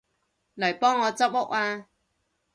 嚟幫我執屋吖